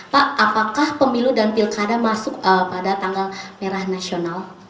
pak apakah pemilu dan pilkada masuk pada tanggal merah nasional